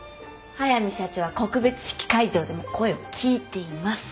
早見社長は告別式会場でも声を聞いています。